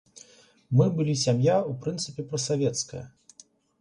Мы былі сям'я, у прынцыпе, прасавецкая.